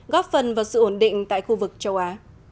góp phần vào sự ổn định tại khu vực châu á